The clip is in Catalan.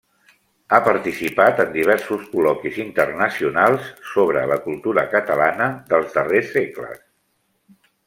Ha participat en diversos col·loquis internacionals sobre la cultura catalana dels darrers segles.